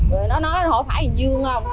rồi nó nói hỏi phải dương không